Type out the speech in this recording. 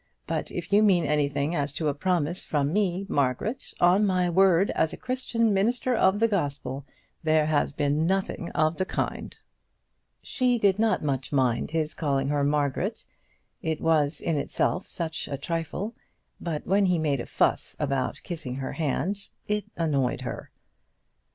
But if you mean anything as to a promise from me, Margaret, on my word as a Christian minister of the Gospel, there has been nothing of the kind." She did not much mind his calling her Margaret; it was in itself such a trifle; but when he made a fuss about kissing her hand it annoyed her.